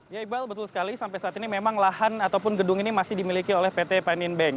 ya iqbal betul sekali sampai saat ini memang lahan ataupun gedung ini masih dimiliki oleh pt paninbank